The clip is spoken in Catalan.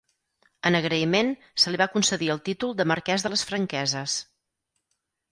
En agraïment, se li va concedir el títol de marquès de les Franqueses.